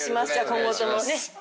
今後ともね。